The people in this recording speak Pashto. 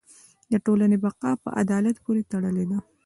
د ټولنې بقاء په عدالت پورې تړلې ده.